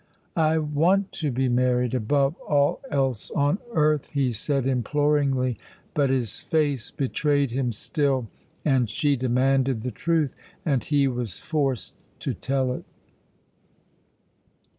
"I want to be married above all else on earth," he said imploringly; but his face betrayed him still, and she demanded the truth, and he was forced to tell it.